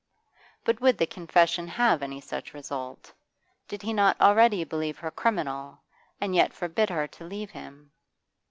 But would the confession have any such result? Did he not already believe her criminal, and yet forbid her to leave him?